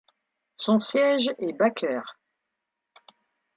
Son siège est Baker.